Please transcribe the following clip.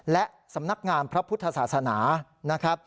และสำนักงานพระพุทธศาสนานะครับ